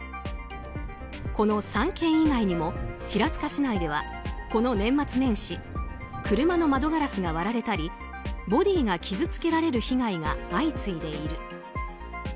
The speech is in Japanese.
この３件以外にも平塚市内ではこの年末年始車の窓ガラスが割られたりボディーが傷つけられる被害が相次いでいる。